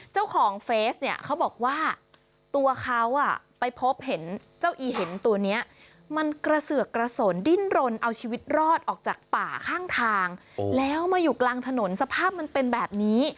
เจ้าของเฟสเนี่ยเขาบอกว่าตัวเขาไปพบเห็นเจ้าอีเห็นตัวนี้มันกระเสือกกระสนดิ้นรนเอาชีวิตรอดออกจากป่าข้างทางแล้วมาอยู่กลางถนนสภาพมันเป็นแบบนี้